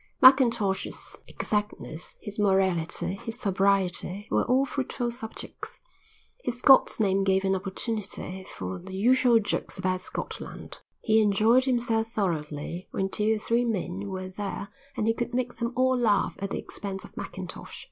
Mackintosh's exactness, his morality, his sobriety, were all fruitful subjects; his Scot's name gave an opportunity for the usual jokes about Scotland; he enjoyed himself thoroughly when two or three men were there and he could make them all laugh at the expense of Mackintosh.